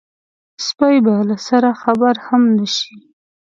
سپۍ به له سره خبره هم نه شي.